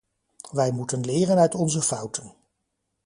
Wij moeten leren uit onze fouten.